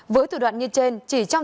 với thủ đoạn như trên chỉ trong